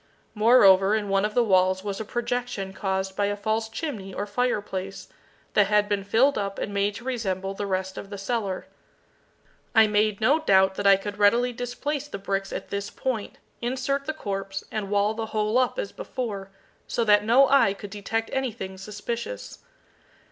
Moreover, in one of the walls was a projection caused by a false chimney or fireplace, that had been filled up and made to resemble the rest of the cellar. I made no doubt that I could readily displace the bricks at this point, insert the corpse, and wall the whole up as before, so that no eye could detect anything suspicious.